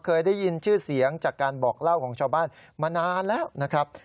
เคยได้ยินชื่อเสียงจากการบอกเล่าของชาวบ้านมานานแล้วนะครับ